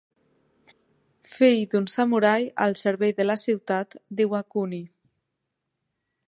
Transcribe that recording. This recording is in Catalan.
Fill d'un samurai al servei de la ciutat d'Iwakuni.